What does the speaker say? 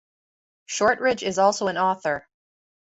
Shortridge is also an author.